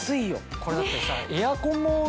これだってさ。